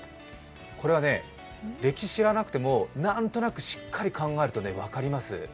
これはね、歴史知らなくてもなんとなくしっかり考えると分かります。